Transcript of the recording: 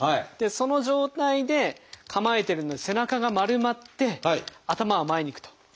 その状態で構えてるので背中が丸まって頭は前にいくと。